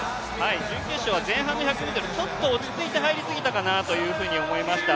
準決勝は前半の１００ｍ、ちょっと落ち着いて入りすぎたかなと思いました。